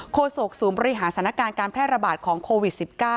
โศกศูนย์บริหารสถานการณ์การแพร่ระบาดของโควิด๑๙